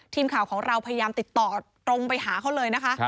ทีมข่าวของเราพยายามติดต่อตรงไปหาเขาเลยนะคะ